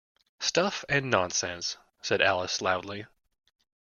‘Stuff and nonsense!’ said Alice loudly.